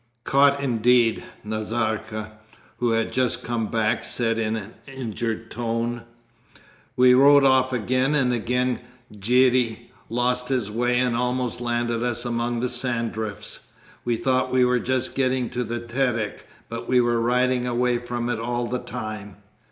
'Caught indeed,' Nazarka, who had just come back, said in an injured tone. 'We rode off again, and again Girey lost his way and almost landed us among the sand drifts. We thought we were just getting to the Terek but we were riding away from it all the time!'